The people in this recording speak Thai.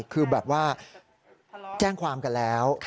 คือแบบว่าแจ้งความกันแล้ว